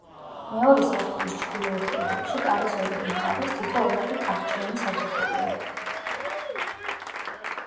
მეორე სართულის ჩრდილოეთ კედელში, კარის ორივე მხარეს, თითო ორმაგი თახჩიანი სათოფურია.